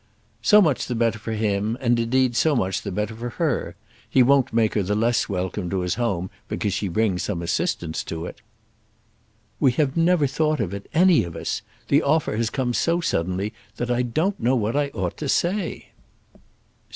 "So much the better for him; and, indeed, so much the better for her. He won't make her the less welcome to his home because she brings some assistance to it." "We have never thought of it, any of us. The offer has come so suddenly that I don't know what I ought to say."